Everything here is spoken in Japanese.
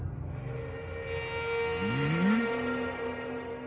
うん？